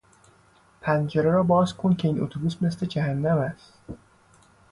پنجره را باز کن که این اتوبوس مثل جهنم است!